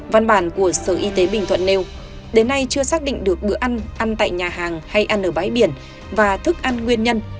văn bản của sở y tế bình thuận nêu đến nay chưa xác định được bữa ăn ăn tại nhà hàng hay ăn ở bãi biển và thức ăn nguyên nhân